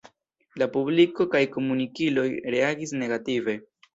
La publiko kaj komunikiloj reagis negative.